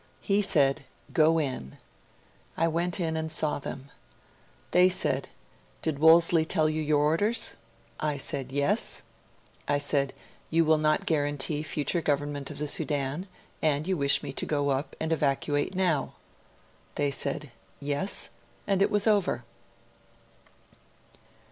He said: "Go in." I went in and saw them. They said: "Did Wolseley tell you your orders?" I said: "Yes." I said: "You will not guarantee future government of the Sudan, and you wish me to go up and evacuate now." They said: "Yes", and it was over.'